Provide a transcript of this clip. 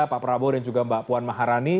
pak prabowo dan juga mbak puan maharani